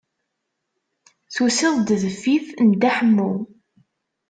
Tusiḍ-d deffif n Dda Ḥemmu.